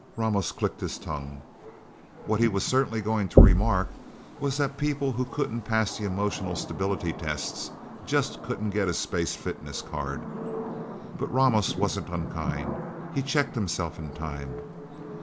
Ramos clicked his tongue. What he was certainly going to remark was that people who couldn't pass the emotional stability tests, just couldn't get a space fitness card. But Ramos wasn't unkind. He checked himself in time.